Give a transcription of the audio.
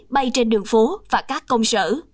bay trên đường phố và các công sở